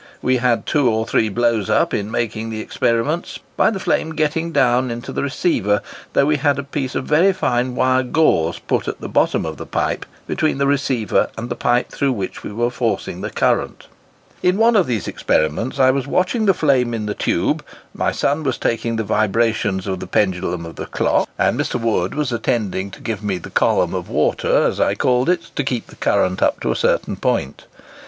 We had two or three blows up in making the experiments, by the flame getting down into the receiver, though we had a piece of very fine wire gauze put at the bottom of the pipe, between the receiver and the pipe through which we were forcing the current. In one of these experiments I was watching the flame in the tube, my son was taking the vibrations of the pendulum of the clock, and Mr. Wood was attending to give me the column of water as I called for it, to keep the current up to a certain point.